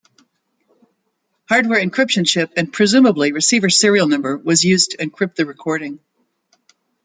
Hardware encryption chip and presumably receiver serial number was used to encrypt the recording.